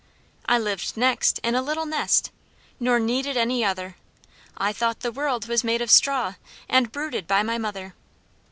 I lived next in a little nest, Nor needed any other; I thought the world was made of straw, And brooded by my mother.